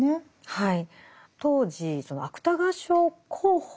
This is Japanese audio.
はい。